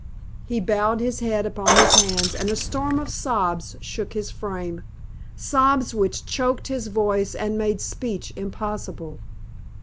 He bowed his head upon his hands and a storm of sobs shook his frame, sobs which choked his voice and made speech impossible.